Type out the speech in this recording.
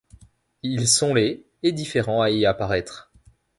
Ils sont les et différents à y apparaître.